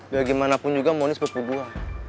bagaimanapun juga mondi sepupu gue